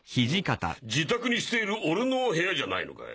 あ自宅にしている俺の部屋じゃないのかい？